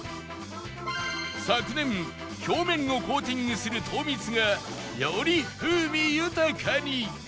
昨年表面をコーティングする糖蜜がより風味豊かに